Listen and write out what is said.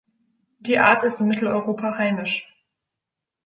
Die Art ist in Mitteleuropa heimisch.